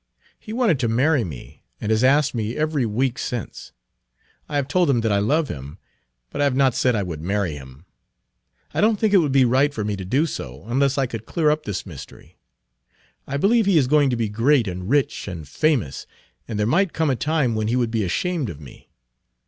He wanted to marry me, and has asked me every week since. I have told him that I love him, but I have not said I would marry him. I don't think it would be right for me to do so, unless I could clear up this mystery. I believe he is going to be great and rich and famous, and there might come a time when he would be ashamed of me.